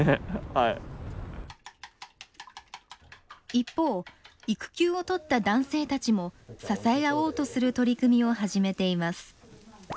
一方育休を取った男性たちも支え合おうとする取り組みを始めています。